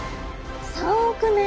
３億年？